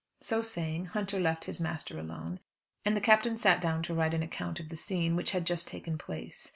So saying, Hunter left his master alone, and the Captain sat down to write an account of the scene which had just taken place.